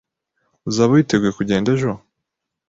Uzaba witeguye kugenda ejo?